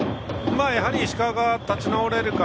やはり石川が立ち直れるか。